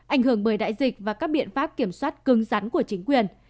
ảnh hưởng bởi đại dịch và các biện pháp kiểm soát cương rắn của chính quyền